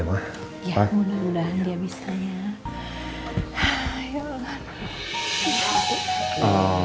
ya mudah mudahan dia bisa ya